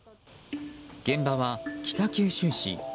現場は北九州市。